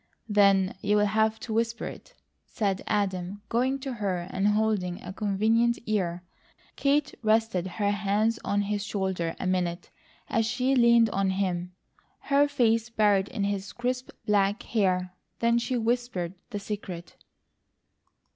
"Then you'll have to whisper it," said Adam, going to her and holding a convenient ear. Kate rested her hands on his shoulder a minute, as she leaned on him, her face buried in his crisp black hair. Then she whispered the secret.